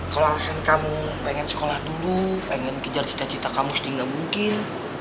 kalau alasan kamu pengen sekolah dulu pengen kejar cita cita kamu sih nggak mungkin